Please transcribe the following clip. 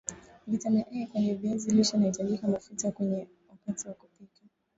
vitamini A kwenye viazi lishe inahitaji mafuta kiasi wakati wa kupika